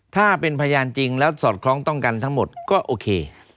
ถ้าเป็นพยานจริงแล้วสอดคล้องต้องกันทั้งหมดก็โอเค